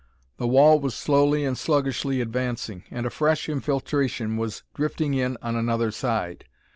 The wall was slowly and sluggishly advancing, and a fresh infiltration was drifting in on another side.